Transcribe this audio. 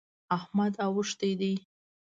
احمد اوښتی دی.